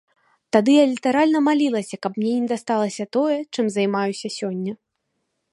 Тады я літаральна малілася, каб мне не дасталася тое, чым займаюся сёння.